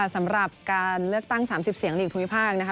สำหรับการเลือกตั้ง๓๐เสียงหลีกภูมิภาคนะคะ